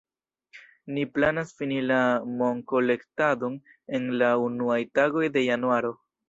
Ni planas fini la monkolektadon en la unuaj tagoj de januaro.